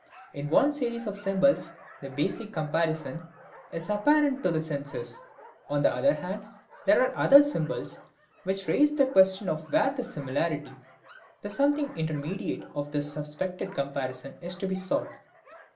In one series of symbols the basic comparison is apparent to the senses. On the other hand, there are other symbols which raise the question of where the similarity, the "something intermediate" of this suspected comparison is to be sought.